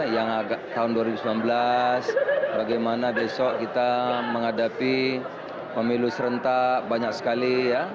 yang agak tahun dua ribu sembilan belas bagaimana besok kita menghadapi pemilu serentak banyak sekali